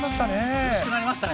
涼しくなりましたね。